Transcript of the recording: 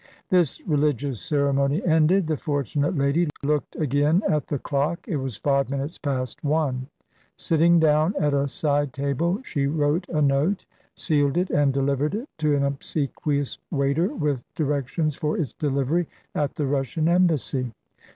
This religious ceremony ended, the fortunate lady looked again at the clock. It was five minutes past one. Sitting down at a side table she wrote a note, sealed it, and delivered it to an obsequious waiter, with directions for its delivery at the Russian Embassy.